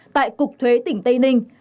tại cục thuế tỉnh tây ninh